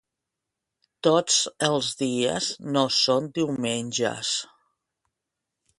Tots els dies no són diumenges.